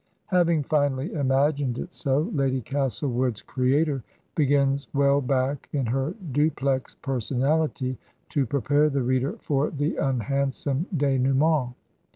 Having finally imagined it so. Lady Castlewood's creator begins well back in her duplex personality to prepare the reader for the unhandsome denouement.